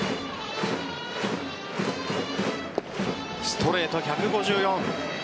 ストレート、１５４。